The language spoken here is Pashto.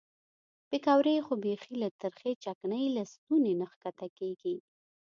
پیکورې خو بیخي له ترخې چکنۍ له ستوني نه ښکته کېږي.